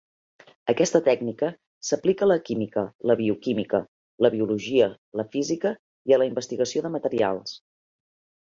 Aquesta tècnica s'aplica a la química, la bioquímica, la biologia, la física i a la investigació de materials.